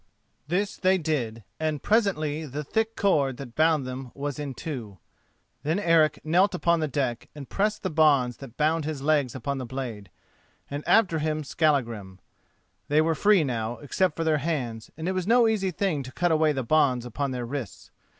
This they did, and presently the thick cord that bound them was in two. Then Eric knelt upon the deck and pressed the bonds that bound his legs upon the blade, and after him Skallagrim. They were free now, except for their hands, and it was no easy thing to cut away the bonds upon their wrists.